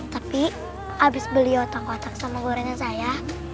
tapi abis beli otok otok sama gorengan saya